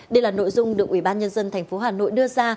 đây là nội dung được ubnd tp hà nội đưa ra